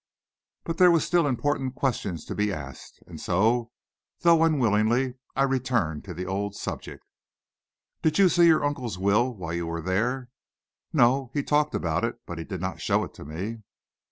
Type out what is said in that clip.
But there were still important questions to be asked, so, though unwillingly, I returned to the old subject. "Did you see your uncle's will while you were there?" "No; he talked about it, but did not show it to me."